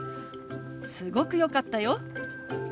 「すごく良かったよ」。